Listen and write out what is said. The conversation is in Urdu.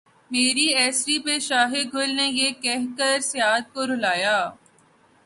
مری اسیری پہ شاخِ گل نے یہ کہہ کے صیاد کو رلایا